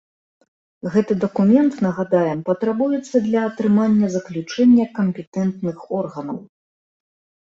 Гэты дакумент, нагадаем, патрабуецца для атрымання заключэння кампетэнтных органаў.